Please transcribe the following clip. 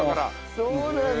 そうなんだ。